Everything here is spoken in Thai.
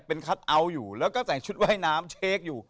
เป็นคัทเอาท์อยู่แล้วก็ใส่ชุดว่ายน้ำเชคอยู่